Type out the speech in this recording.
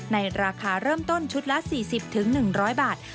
ในราคาเริ่มต้นชุดละ๔๐๑๐๐บาท